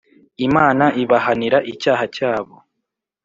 Imana ibahanira icyaha cyabo